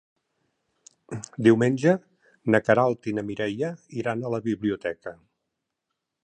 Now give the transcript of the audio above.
Diumenge na Queralt i na Mireia iran a la biblioteca.